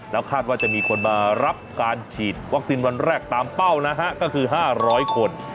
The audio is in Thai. แล้วคาดว่าจะมีคนมารับการฉีดวัคซีนวันแรกตามเป้านะฮะก็คือ๕๐๐คน